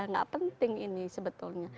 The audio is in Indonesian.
enggak penting ini sebetulnya